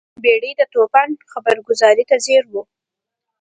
بیړۍ د توپان خبرګذارۍ ته ځیر وي.